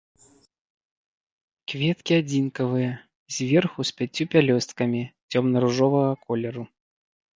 Кветкі адзінкавыя, зверху, з пяццю пялёсткамі, цёмна-ружовага колеру.